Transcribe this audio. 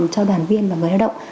cho đoàn viên và người đoàn động